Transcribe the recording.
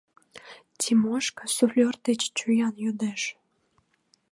— Тимошка суфлёр деч чоян йодеш.